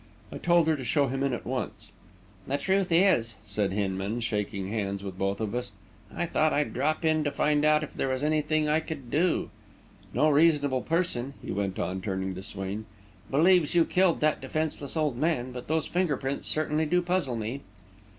I told her to show him in at once. "The truth is," said Hinman, shaking hands with both of us, "I thought I'd drop in to find out if there was anything I could do. No reasonable person," he went on, turning to Swain, "believes you killed that defenceless old man; but those finger prints certainly do puzzle me."